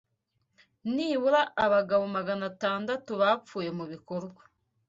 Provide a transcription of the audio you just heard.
Nibura abagabo magana atandatu bapfuye mubikorwa.